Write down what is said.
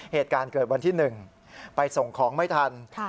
เหตุการณ์เกิดวันที่๑ไปส่งของไม่ทัน